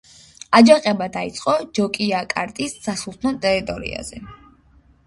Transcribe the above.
აჯანყება დაიწყო ჯოკიაკარტის სასულთნო ტერიტორიაზე.